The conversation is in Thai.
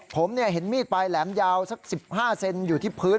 ผมเห็นมีดปลายแหลมยาวสัก๑๕เซนอยู่ที่พื้น